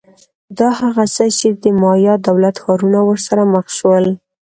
دا هغه څه چې د مایا دولت ښارونه ورسره مخ شول